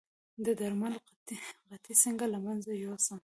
د درملو قطۍ څنګه له منځه یوسم؟